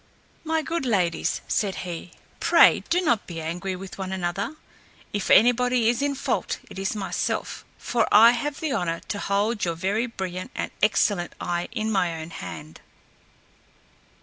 "My good ladies," said he, "pray do not be angry with one another. If anybody is in fault, it is myself; for I have the honor to hold your very brilliant and excellent eye in my own hand!"